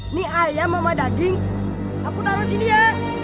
ini ayam sama daging aku taruh sini ya